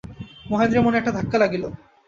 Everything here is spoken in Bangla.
মহেন্দ্রের মনে একটা ধাক্কা লাগিল।